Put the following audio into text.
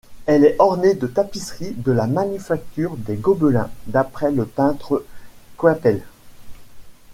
Elle est ornée de tapisserie de la Manufacture des Gobelins d'après le peintre Coypel.